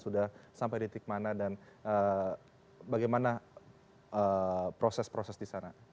sudah sampai titik mana dan bagaimana proses proses di sana